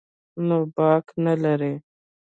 نو باک نه لري.